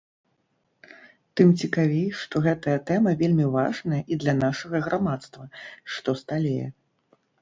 Тым цікавей, што гэтая тэма вельмі важная і для нашага грамадства, што сталее.